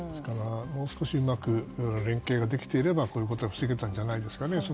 もう少しうまく連携ができていればこういうことは防げたんじゃないですかね。